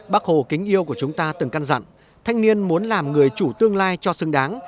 bác hồ kính yêu của chúng ta từng căn dặn thanh niên muốn làm người chủ tương lai cho xứng đáng